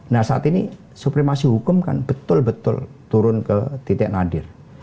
nah saat ini supremasi hukum kan betul betul turun ke titik nadir